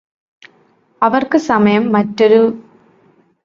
അവർക്ക് സമയം മറ്റൊരു